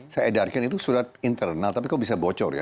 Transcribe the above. saya edarkan itu surat internal tapi kok bisa bocor ya